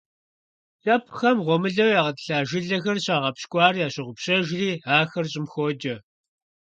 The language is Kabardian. КIэпхъхэм гъуэмылэу ягъэтIылъа жылэхэр щагъэпщкIуар ящогъупщэжри, ахэр щIым хокIэ.